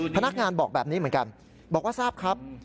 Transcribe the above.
พนักงานบอกแบบนี้เหมือนกันบอกว่าทราบครับ